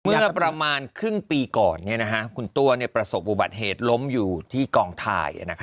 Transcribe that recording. เมื่อประมาณครึ่งปีก่อนคุณตัวประสบอุบัติเหตุล้มอยู่ที่กองถ่าย